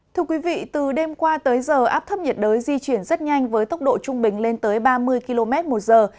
thưa quý vị từ đêm qua tới giờ áp thấp nhiệt đới di chuyển rất nhanh với tốc độ trung bình lên tới ba mươi km một giờ